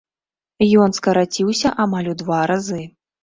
Ён скараціўся амаль у два разы.